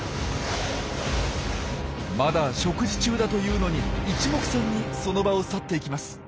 まだ食事中だというのにいちもくさんにその場を去っていきます。